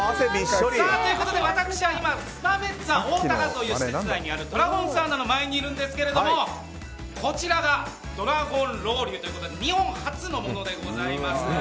ということで私は今スパメッツァおおたかという施設内にあるドラゴンサウナの前にいるんですがこちらがドラゴンロウリュということで日本初のものでございます。